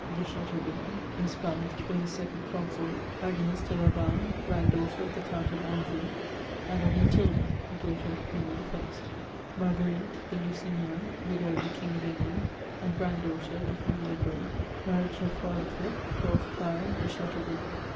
de Chateaubriand, espoused, for his second consort, Agnes de Laval, grand daughter of the Count of Anjou, and of Matilda, daughter of Henry I. ; Marguerite de Lusignan, widow of the King of England and grand daughter of Louis le Gros, married Geoffroy V., twelfth Baron de Chateaubriand.